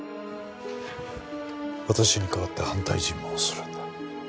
私に代わって反対尋問をするんだ。